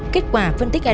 kết quả phân tích adn